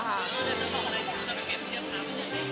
แล้วจะบอกอะไรอยากให้เอาไปเปรียบเทียบครับ